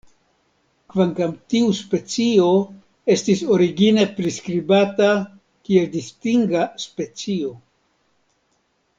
Kvankam tiu specio estis origine priskribata kiel distinga specio.